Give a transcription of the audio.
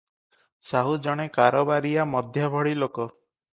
ସାହୁ ଜଣେ କାରବାରିଆ ମଧ୍ୟଭଳି ଲୋକ ।